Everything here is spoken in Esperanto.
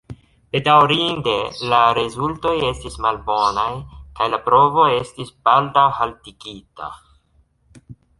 Bedaŭrinde la rezultoj estis malbonaj kaj la provo estis baldaŭ haltigita.